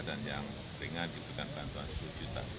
dan yang ringan diberikan bantuan rp sepuluh juta